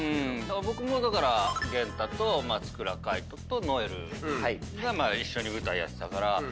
僕も元太と松倉海斗と如恵留が一緒に舞台やってたから。